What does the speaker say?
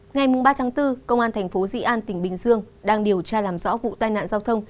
ngày ba bốn công an tp dị an tỉnh bình dương đang điều tra làm rõ vụ tai nạn giao thông